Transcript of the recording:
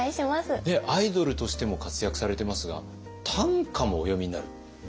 アイドルとしても活躍されてますが短歌もお詠みになる？